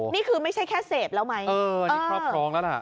นี่คือไม่ใช่แค่เสพแล้วไหมนี่ครอบครองแล้วล่ะ